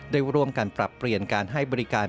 ได้ร่วมกันปรับเปลี่ยนการให้บริการ